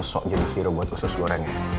sok jenis sirup buat usus gorengnya